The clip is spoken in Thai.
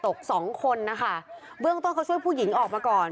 สองคนนะคะเบื้องต้นเขาช่วยผู้หญิงออกมาก่อน